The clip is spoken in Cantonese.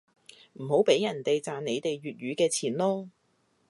唔好畀人哋賺你哋粵語嘅錢囉